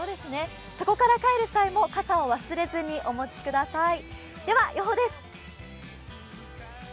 そこから帰る際も、傘を忘れずにお持ちください。